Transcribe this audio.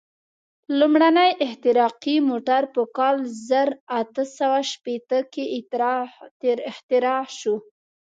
لومړنی احتراقي موټر په کال زر اته سوه شپېته کې اختراع شو.